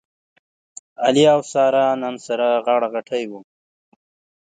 علي او ساره نن سره غاړه غټۍ و.